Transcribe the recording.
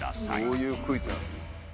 どういうクイズやろ？